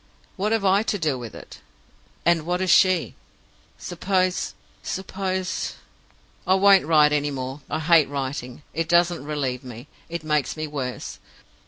What have I to do with it, and what has she?' Suppose suppose "I won't write any more. I hate writing. It doesn't relieve me it makes me worse.